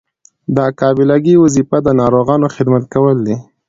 د قابله ګۍ وظیفه د ناروغانو خدمت کول دي.